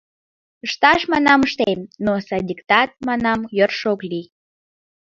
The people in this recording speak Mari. Ышташ, манам, ыштем, но садиктак, манам, йӧршӧ ок лий.